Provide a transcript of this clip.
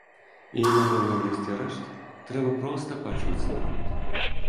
І, напэўна, у рэшце рэшт трэба проста пачуць народ.